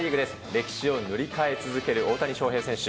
歴史を塗り替え続ける大谷翔平選手。